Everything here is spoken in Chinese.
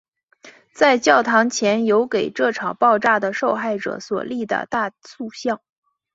在教堂前有给这场爆炸的受害者所立的大塑像。